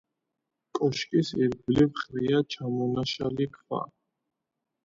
კოშკის ირგვლივ ყრია ჩამონაშალი ქვა.